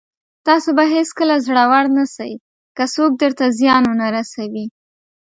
تاسو به هېڅکله زړور نسٸ، که څوک درته زيان ونه رسوي.